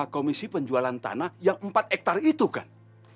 komisi penjualan tanah yang empat hektare itu kan